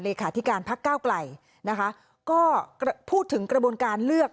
เลขาธิการพักก้าวกล่ายนะคะก็พูดถึงกระบวนการเลือก